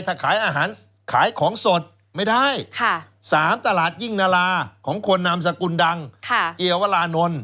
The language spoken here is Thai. ถ้าขายของสดไม่ได้สามตลาดยิ่งนราของคนนามสกุลดังเชียวลาว์นล